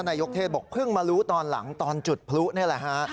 นายกเทศบอกเพิ่งมารู้ตอนหลังตอนจุดพลุนี่แหละฮะ